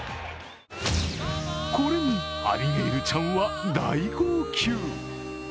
これに、アビゲイルちゃんは大号泣。